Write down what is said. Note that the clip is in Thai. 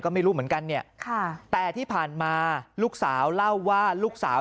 ก็ไม่รู้เหมือนกันเนี่ยค่ะแต่ที่ผ่านมาลูกสาวเล่าว่าลูกสาว